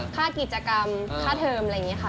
ค่ากิจกรรมค่าเทอมอะไรอย่างนี้ค่ะ